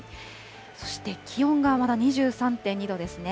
そして、気温がまだ２３．２度ですね。